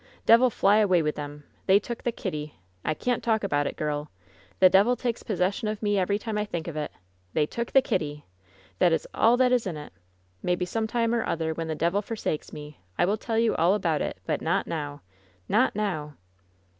Devil fly away with them! They took the Kitty! I can't talk about it, girl ! The devil takes pos session of me every time I think of it! They took the Kitty! That is all that is in it! Maybe some time or other, when the devil forsakes me, I will tell you all about it, but not now — not now!"